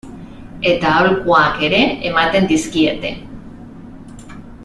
Eta aholkuak ere ematen dizkiete.